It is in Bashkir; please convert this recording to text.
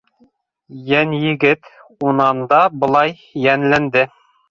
Йәнйегет унан да былай йәнләнде: